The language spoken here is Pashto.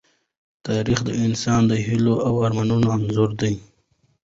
تاریخ د انسان د هيلو او ارمانونو انځور دی.